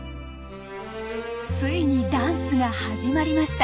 ついにダンスが始まりました。